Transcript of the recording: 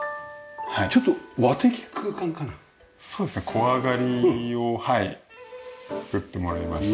小上がりを作ってもらいました。